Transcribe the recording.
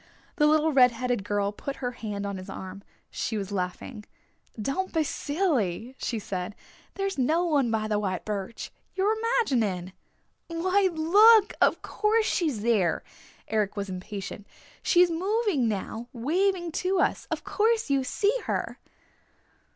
The little red headed girl put her hand on his arm. She was laughing. "Don't be silly," she said. "There's no one by the white birch. You're imagining." "Why, look! Of course she's there!" Eric was impatient. "She's moving now, waving to us. Of course you see her!"